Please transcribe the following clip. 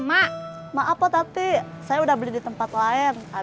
gawang cot bertolong veel lidt ke satu hari ya